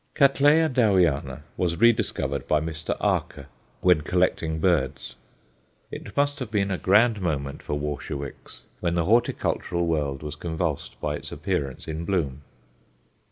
Cattleya Dowiana was rediscovered by Mr. Arce, when collecting birds: it must have been a grand moment for Warscewicz when the horticultural world was convulsed by its appearance in bloom.